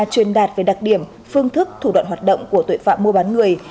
truyền đạt về đặc điểm phương thức thủ đoạn hoạt động của tội phạm mua bán người